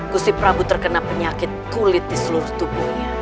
gusti pramu terkena penyakit kulit di seluruh tubuhnya